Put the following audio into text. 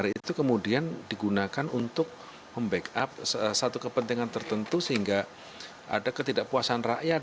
dpr itu kemudian digunakan untuk membackup satu kepentingan tertentu sehingga ada ketidakpuasan rakyat